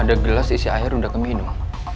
ada gelas isi air udah keminum